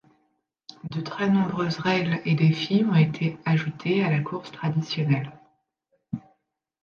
De très nombreuses règles et défis ont été ajoutés à la course traditionnelle.